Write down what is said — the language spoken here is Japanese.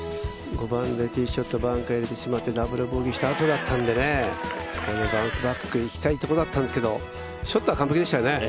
５番でティーショット、バンカーに入れてしまって、ダブルボギーしたあとだったんで、バウンスバックいきたいところだったんですけどショットは完璧でしたよね。